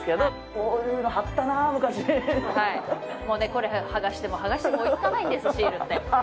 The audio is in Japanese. これ、剥がしても剥がしても追いつかないんです、シールって。